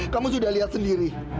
kamu sudah lihat sendiri